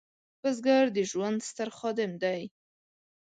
بزګر د ژوند ستر خادم دی